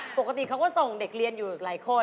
ปกติเขาก็ส่งเด็กเรียนอยู่หลายคน